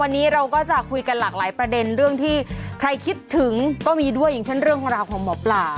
วันนี้เราก็จะคุยกันหลากหลายประเด็นเรื่องที่ใครคิดถึงก็มีด้วยอย่างเช่นเรื่องราวของหมอปลา